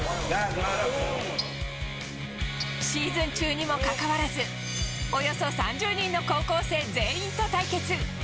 シーズン中にもかかわらず、およそ３０人の高校生全員と対決。